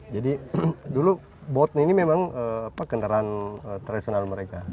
jadi dulu bot ini memang kendaraan tradisional mereka